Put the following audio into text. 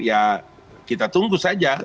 ya kita tunggu saja